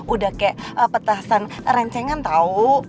udah kayak petasan rencengan tau